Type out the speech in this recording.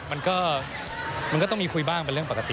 มันก็ต้องมีคุยบ้างเป็นเรื่องปกติ